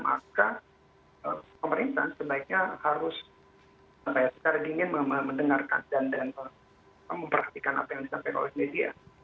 maka pemerintah sebaiknya harus secara dingin mendengarkan dan memperhatikan apa yang disampaikan oleh media